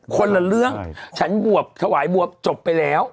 คนละเรื่องฉันบวบถวายบวบจบไปแล้ว